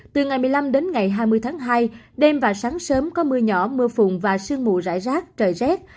từ ngày một mươi năm đến ngày hai mươi tháng hai đêm và sáng sớm có mưa nhỏ mưa phùn và sương mù rải rác trời rét